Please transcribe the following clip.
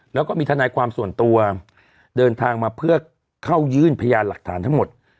แล้วก็มีทนายความส่วนตัวเดินทางมาเพื่อเข้ายื่นพยานหลักฐานทั้งหมด